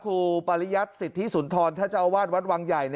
พระคุปริยชสิทธิสุนทรท่าเจ้าวาดวัดวังใหญ่